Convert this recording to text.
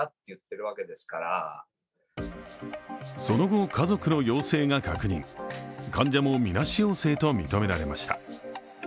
その後、家族の陽性が確認患者もみなし陽性と認められました。